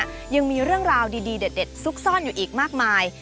ยังมีเรื่องราวดีเด็ดซุกซ่อนอยู่อีกมากมาย